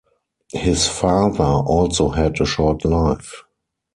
His father also had a short life.